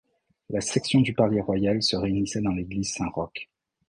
La section du Palais-Royal se réunissait dans l’église Saint-Roch.